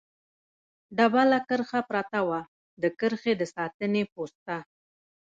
ډبله کرښه پرته وه، د کرښې د ساتنې پوسته.